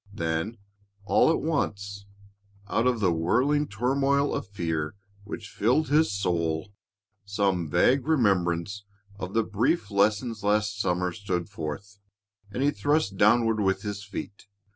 Then all at once, out of the whirling turmoil of fear which filled his soul, some vague remembrance of the brief lessons last summer stood forth, and he thrust downward with his feet.